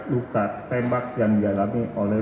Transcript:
luka tembak yang dialami oleh